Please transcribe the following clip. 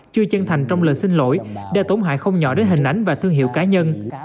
chưa chân thành trong lời xin lỗi đã tổn hại không nhỏ đến hình ảnh và thương hiệu cá nhân